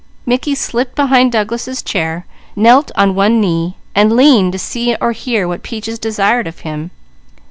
Mickey slipped behind Douglas' chair, knelt on one knee, and leaned to see what Peaches desired of him.